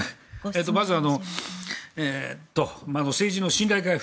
まず、政治の信頼回復